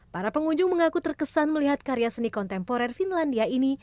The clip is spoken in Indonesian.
para pengunjung mengaku terkesan melihat karya seni kontemporer finlandia ini